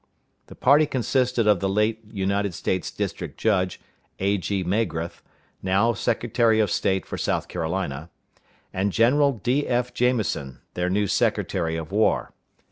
The party consisted of the late United States district judge, A.G. Magrath, now Secretary of State for South Carolina, and General D.F. Jamison, their new Secretary of War.